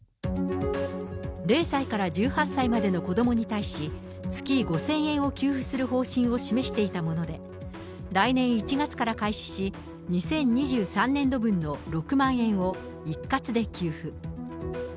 ０歳から１８歳までの子どもに対し、月５０００円を給付する方針を示していたもので、来年１月から開始し、２０２３年度分の６万円を、一括で給付。